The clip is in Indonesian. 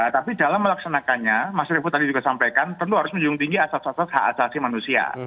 tapi dalam melaksanakannya mas revo tadi juga sampaikan tentu harus menjun tinggi asas asas hak asasi manusia